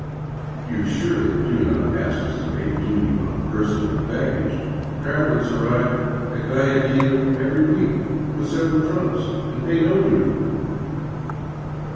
" You surely do not ask us to pay duty on personal baggage ? Trav elers arrive at Guayaquil every week with several trunks, and pay no duty."